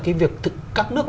cái việc các nước